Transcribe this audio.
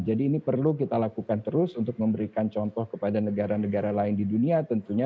jadi ini perlu kita lakukan terus untuk memberikan contoh kepada negara negara lain di dunia tentunya